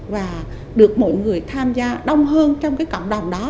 và được mọi người tham gia đông hơn trong cái cộng đồng đó